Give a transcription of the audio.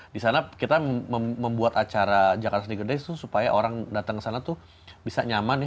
di sana kita membuat acara jakarta sneaker days tuh supaya orang datang ke sana tuh bisa nyaman nih